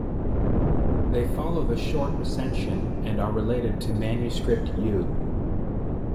They follow the short recension and are related to Manuscript U.